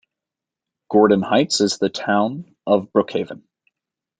Gordon Heights is in the Town of Brookhaven.